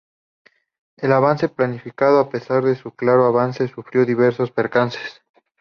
El avance planificado, a pesar de su claro avance, sufrió diversos percances.